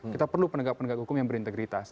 kita perlu penegak penegak hukum yang berintegritas